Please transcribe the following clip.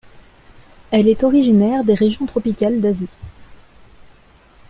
Elle est originaire des régions tropicales d'Asie.